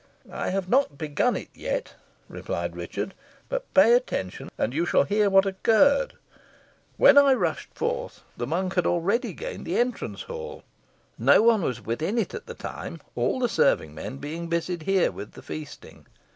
"I have not begun it yet," replied Richard. "But pay attention, and you shall hear what occurred. When I rushed forth, the monk had already gained the entrance hall. No one was within it at the time, all the serving men being busied here with the feasting.